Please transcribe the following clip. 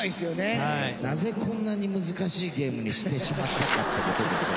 なぜこんなに難しいゲームにしてしまったかって事ですよね。